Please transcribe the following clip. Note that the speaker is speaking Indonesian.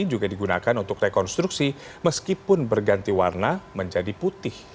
juga digunakan untuk rekonstruksi meskipun berganti warna menjadi putih